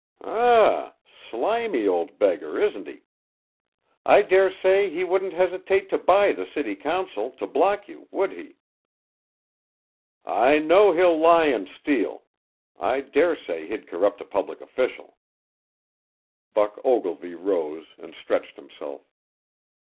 "Hum m m! Slimy old beggar, isn't he? I dare say he wouldn't hesitate to buy the city council to block you, would he?" "I know he'll lie and steal. I dare say he'd corrupt a public official." Buck Ogilvy rose and stretched himself.